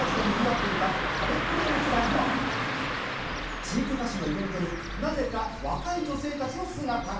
知育菓子のイベントになぜか若い女性たちの姿が。